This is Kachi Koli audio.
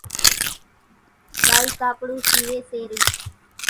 ٻائِي ڪاپڙون شيويَ سي رئِي۔